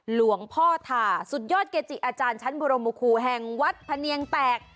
หลวงพ่อทาสุดยอดเกจิอาจารย์ชั้นบรมคูแห่งวัดพะเนียงแตก